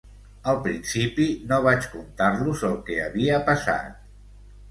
Al principi, no vaig contar-los el que havia passat.